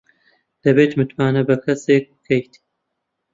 دەبێت متمانە بە کەسێک بکەیت.